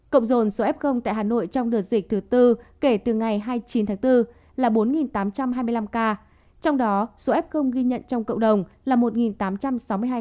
cộng dồn số f tại hà nội trong đợt dịch thứ tư kể từ ngày hai mươi chín tháng bốn là bốn tám trăm hai mươi năm ca trong đó số f ghi nhận trong cộng đồng là một tám trăm sáu mươi hai ca